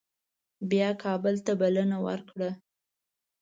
بیا کابل ته بلنه ورکړه.